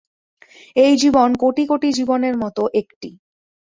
এই জীবন কোটি কোটি জীবনের মত একটি।